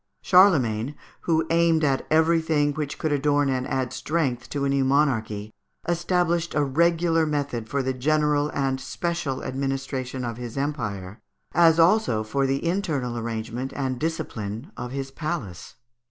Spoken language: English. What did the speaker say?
Charlemagne, who aimed at everything which could adorn and add strength to a new monarchy, established a regular method for the general and special administration of his empire, as also for the internal arrangement and discipline of his palace.